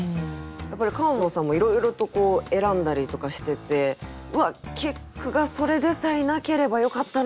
やっぱり川野さんもいろいろと選んだりとかしててうわっ結句がそれでさえなければよかったのに！とか。